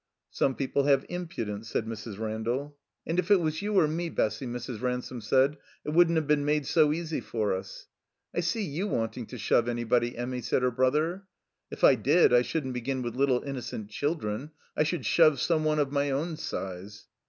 "Some people have impudence," said Mrs. Ran dall. 95 THE COMBINED MAZE ''And if it was you or me, Bessie," Mrs. Ransome said, "it wotildn't have heea made so easy for us." "I see you wanting to shove anybody, Emmy/' said her brother. "If I did, I shouldn't begin with little innocent children. I shotild shove some one of my own size."